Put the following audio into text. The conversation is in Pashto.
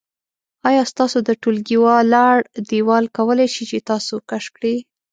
آیا ستاسو د ټولګي ولاړ دیوال کولی شي چې تاسو کش کړي؟